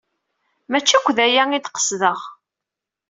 Maci akk d aya ay d-qesdeɣ.